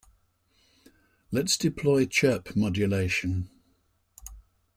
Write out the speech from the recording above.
Let's deploy chirp modulation.